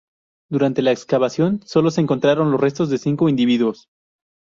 Durante la excavación, solo se encontraron los restos de cinco individuos.